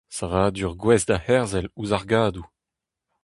Savadur gouest da herzel ouzh argadoù.